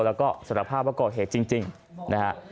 แล้วก็สารภาพว่าก่อเหตุจริงนะฮะ